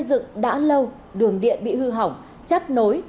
trường học được xây dựng đã lâu đường điện bị hư hỏng chắt nối